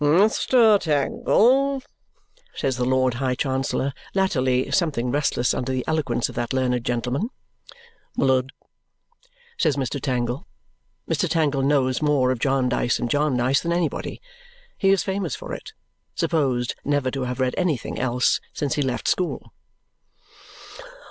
"Mr. Tangle," says the Lord High Chancellor, latterly something restless under the eloquence of that learned gentleman. "Mlud," says Mr. Tangle. Mr. Tangle knows more of Jarndyce and Jarndyce than anybody. He is famous for it supposed never to have read anything else since he left school.